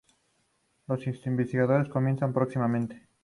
Las investigaciones comenzarían próximamente.